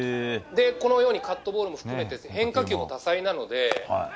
このようにカットボールも含めて変化球も多彩なので。